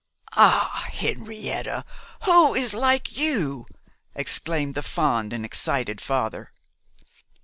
'Ah, Henrietta, who is like you!' exclaimed the fond and excited father.